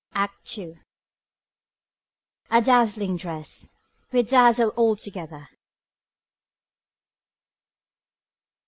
ACT II. A dazzling dress. We dazzle altogether.